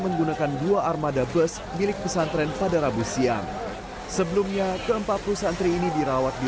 menggunakan dua armada bus milik pesantren pada rabu siang sebelumnya ke empat puluh santri ini dirawat di